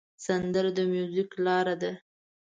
سندره د میوزیک لاره ده